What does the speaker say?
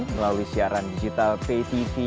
melalui siaran digital patv